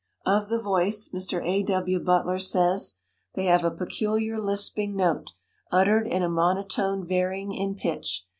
Of the voice Mr. A. W. Butler says, "They have a peculiar lisping note, uttered in a monotone varying in pitch.